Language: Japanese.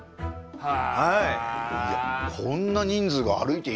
はい！